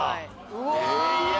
うわ！